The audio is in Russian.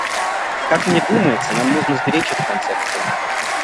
Как мне думается, нам нужно сберечь эту концепцию.